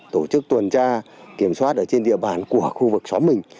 tổ chức tuần tra kiểm soát ở trên địa bàn của khu vực xóm mình